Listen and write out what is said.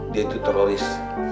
dia itu teroris